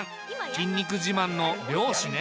筋肉自慢の漁師ね。